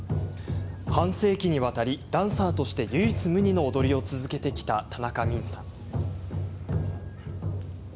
半世紀にわたり、ダンサーとして唯一無二の踊りを続けてきた田中泯さん。